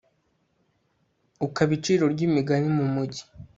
ukaba iciro ry'imigani mu mugi